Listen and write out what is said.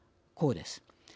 こうです。